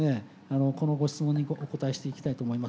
このご質問にお答えしていきたいと思います。